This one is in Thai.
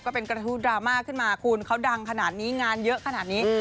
กระทู้ดราม่าขึ้นมาคุณเขาดังขนาดนี้งานเยอะขนาดนี้